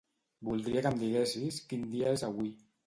Voldria que em diguessis quin dia és avui.